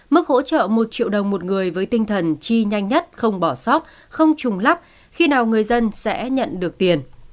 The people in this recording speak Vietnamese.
mức hỗ trợ một triệu đồng một người với tinh thần chi nhanh nhất không bỏ sót không trùng lắp khi nào người dân sẽ nhận được tiền